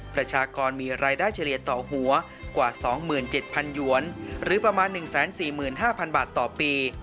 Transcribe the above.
ประชากรมีรายได้เฉลี่ยต่อหัวกว่า๒๗๐๐หยวนหรือประมาณ๑๔๕๐๐บาทต่อปี